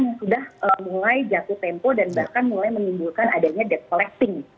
yang sudah mulai jatuh tempo dan bahkan mulai menimbulkan adanya debt collecting